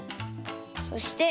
そして。